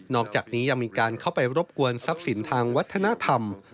อกจากนี้ยังมีการเข้าไปรบกวนทรัพย์สินทางวัฒนธรรม